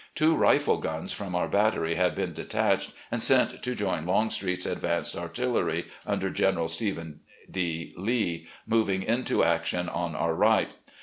Two rifle guns from our battery had been detached and sent to join Longstreet's advance artillery, under General Stephen D. Lee, moving into action on our right.